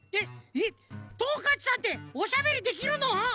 えっトンカチさんっておしゃべりできるの？